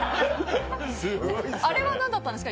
あれは何だったんですか？